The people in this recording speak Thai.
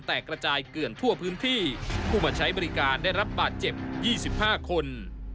แตกระจายเกือนทั่วพื้นที่ผู้มาใช้บริการได้รับบาดเจ็บยี่สิบห้าคน